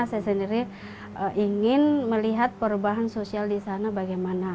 saya sendiri ingin melihat perubahan sosial disana bagaimana